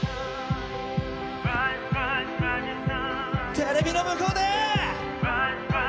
テレビの向こうで！